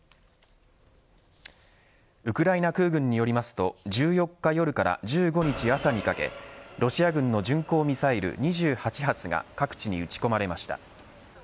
ウクライナ空軍によりますと１４日夜から１５日朝にかけロシア軍の巡航ミサイル２８発が各地に撃ち込まれました。